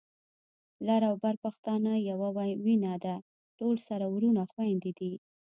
لر او بر پښتانه يوه وینه ده، ټول سره وروڼه خويندي دي